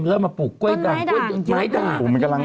ร่วมมาปลูกกล้วยใหม่ด่าง